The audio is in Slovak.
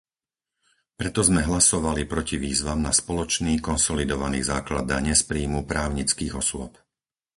Preto sme hlasovali proti výzvam na spoločný konsolidovaný základ dane z príjmu právnických osôb.